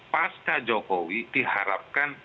pasca jokowi diharapkan